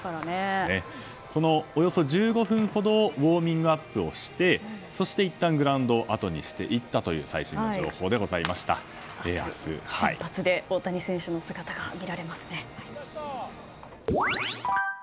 およそ１５分ほどウォーミングアップをしてそしていったん、グラウンドをあとにしていったという明日先発で大谷選手の姿が見られますね。